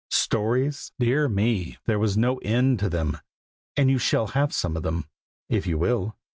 Stories? dear me, there was no end to them; and you shall have some of them, if you will.